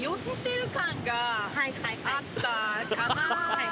はい